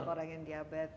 banyak orang yang diabetes